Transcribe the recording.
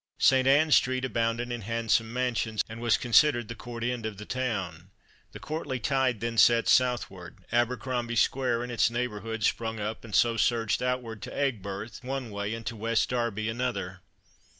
St. Anne street abounded in handsome mansions and was considered the court end of the town. The courtly tide then set southward; Abercromby square, and its neighbourhood sprung up, and so surged outward to Aigburth one way and to West Derby another.